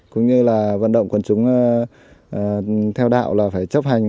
cũng như là vận động quần chúng theo đạo là phải chấp hành